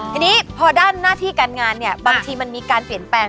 ทีนี้พอด้านหน้าที่การงานเนี่ยบางทีมันมีการเปลี่ยนแปลง